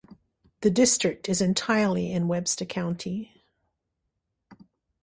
The district is entirely in Webster County.